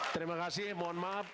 terima kasih mohon maaf